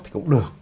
thì cũng được